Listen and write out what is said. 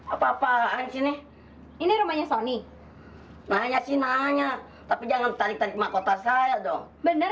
apa apaan sini ini rumahnya sony nanya nanya tapi jangan tarik tarik mahkota saya dong bener